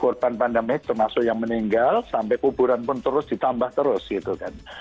korban pandemik termasuk yang meninggal sampai kuburan pun terus ditambah terus gitu kan